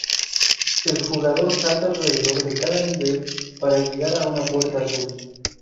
El jugador salta alrededor de cada nivel para llegar a una puerta azul.